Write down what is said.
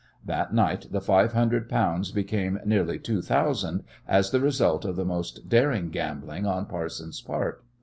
That night the five hundred pounds became nearly two thousand as the result of the most daring gambling on Parsons' part.